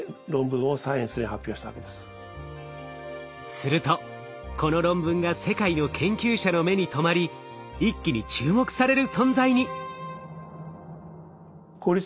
するとこの論文が世界の研究者の目に留まり一気に注目される存在に。